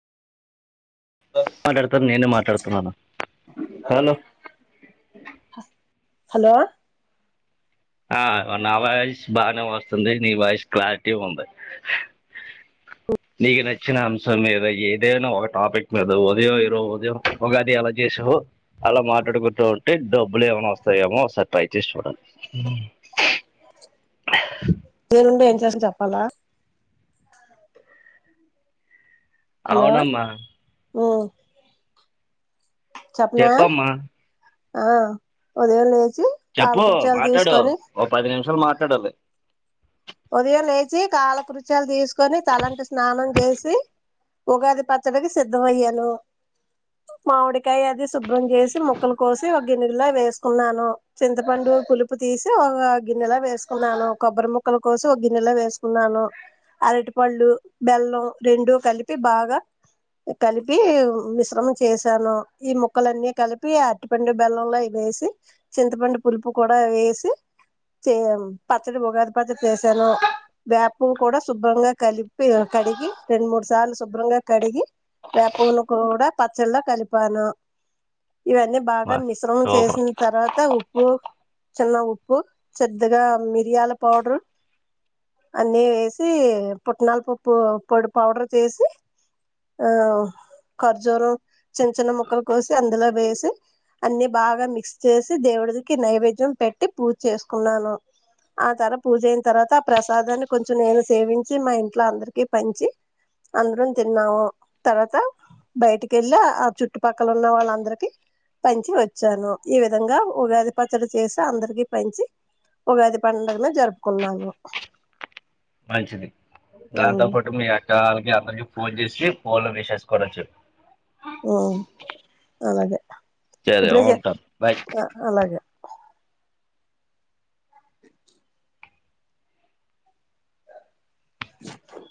మాట్లాడతారు నేను మాట్లాడుతున్నాను హలో హలో ఆ నా వాయిస్ బానే వస్తుంది నీ వాయిస్ క్లారిటీ ఉంది [inaudible] నీకు నచ్చిన అంశం మీద ఏదైనా ఒక టాపిక్ మీద ఉదయం ఏదో ఉదయం ఉగాది ఎలా చేసావు అలా మాట్లాడుకుంటూ ఉంటే డబ్బులు ఏమైనా వస్తాయేమో ఒకసారి ట్రై చేసి చూడాలి [inaudible] ఉదయం నుండి ఏం చేసాన్ చెప్పాలా అవునమ్మా మ్మ్ చెప్పమ్మా ఆ ఉదయం లే చెప్పు మాట్లాడు ఓ పది నిమిషాలు మాట్లాడాలి ఉదయం లేచి కాలకృత్యాలు దీసుకొని తలంటు స్నానం చేసి ఉగాది పచ్చడికి సిద్ధం అయ్యను మామిడికాయ అది శు భ్రం చేసి ముక్కలు కోసి గిన్నెలో వేసుకున్నాను చింతపండు పులుపు తీసి ఒక గిన్నెలో వేసుకున్నాను కొబ్బరి ము క్కలు కోసి ఒక గిన్నెలో వేసుకున్నాను అరటి పళ్ళు బెల్లం రెండూ కలిపి బాగా కలిపి మిశ్రమం చేసాను ఈ ముక్కలన్నీ కలిపి అరటిపండు బెల్లంలో ఇ వేసి చింతపండు పులుపు కూడా వేసి చే పచ్చడి ఉగా పచ్చడి చేశాను వే పువ్వు కూడా శుభ్రంగా కలిపి కడిగి రెండు మూడు సార్లు శుభ్రంగా కడిగి వేప ప్వువును కూడా పచ్చల్లా కలిపాను ఇవన్నీ బాగా మా, మిశ్రమం సూపర్ చేసిన తర్వాత ఉప్పు చిన్న ఉప్పు చిద్దగా మిరియాల పౌడరు అన్నీ ఎసి పుట్నాల పప్పు పొడి పౌడర్ చేసి ఆ ఖర్జూరం చిన్న చిన్న ముక్కలు కోసి అందులో వేసి అన్ని బాగా మిక్స్ చేసి దేవుడికి నైవేద్యం పెట్టి పూజ చేసుకున్నాను ఆ తర పూజ అయిన తర్వాత ఆ ప్రసాదాన్ని కొంచెం నేను సేవించి మా ఇంట్లో అందరికి పంచి అంద్రం తిన్నావు తర్వాత బయటికెళ్ళి ఆ చుట్టుపక్కల ఉన్న వాళ్ళందరికి పంచి వచ్చాను ఈ విధంగా ఉగాది పచ్చడి చేసి అందరికి పంచి ఉగాది పండుగను జరుపుకున్నాను మంచిది దాంతో ఉమ్ పాటు మీ అక్క ఆళ్ళకి అందరికి ఫోన్ చేసి ఫోన్ లో వేసే కూడ చెప్పు మ్మ్ అలాగే సరే ఇప్పుడేజే ఉంటాను బాయ్ అ అలాగే